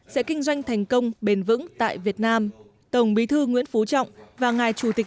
sẽ kinh doanh thành công bền vững tại việt nam tổng bí thư nguyễn phú trọng và ngài chủ tịch